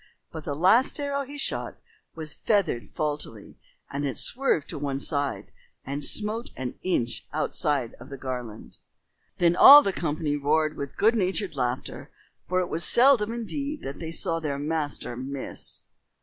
But the last arrow he shot was feathered faultily, and it swerved to one side, and smote an inch outside of the garland. Then all the company roared with good natured laughter, for it was seldom indeed that they saw their master miss.